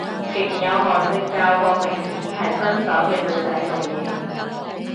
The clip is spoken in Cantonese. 勁有耐性教個明顯係新手嘅女仔做嘢